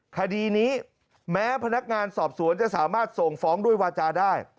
คดีนี้แม้พนักงานสอบสวนจะสามารถส่งฟ้องด้วยวาจาได้